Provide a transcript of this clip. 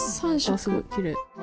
あっすごいきれい。